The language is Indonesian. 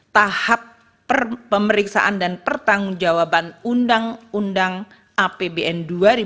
tahap pemeriksaan dan pertanggungjawaban ruu apbn dua ribu dua puluh empat